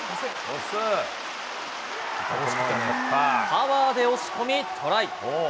パワーで押し込み、トライ。